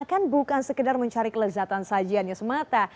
bahkan bukan sekedar mencari kelezatan sajiannya semata